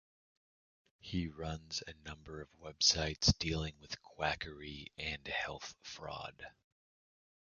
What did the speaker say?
He runs a number of websites dealing with quackery and health fraud.